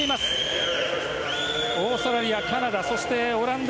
オーストラリア、カナダオランダ